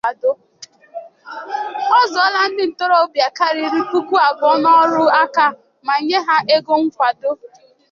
Ọ zụọla ndị ntorobịa karịrị puku abụọ n'ọrụ aka ma nye ha ego nkwàdo